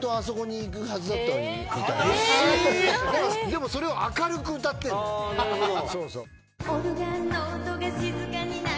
でもそれを明るく歌ってんだよ。